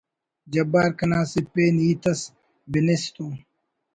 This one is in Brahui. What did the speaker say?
جبار کنا اسہ پین ہیت اس بنس تو